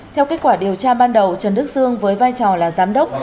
theo kết quả điều tra ban đầu trần đức dương với vai trò là giám đốc